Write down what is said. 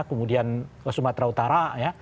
kemudian sumatera utara ya